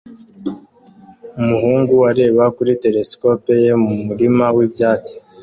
umuhungu areba kuri telesikope ye mumurima wibyatsi